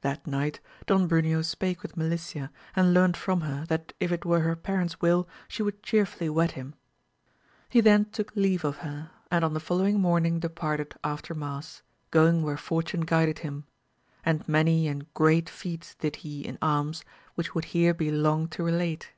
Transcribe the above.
That night Don Bruneo spake with Melicia, and learnt from her, that if it were her parents' will she would cheerfully wed him. He then took leave of her, and on the following morning departed after mass, going where fortune guided him, and many and great feats did he in arms which would here be long to relate.